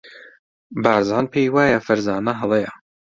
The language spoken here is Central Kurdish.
بارزان پێی وایە فەرزانە هەڵەیە.